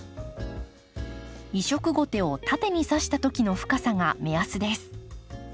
移植ゴテを縦にさした時の深さが目安です。